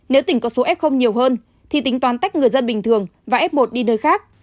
nếu tỉnh có số f nhiều hơn thì tính toán tách người dân bình thường và f một đi nơi khác